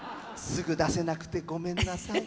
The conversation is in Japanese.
すぐ出せなくてごめんなさい。